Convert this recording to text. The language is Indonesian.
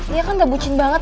dia kan gak bucin banget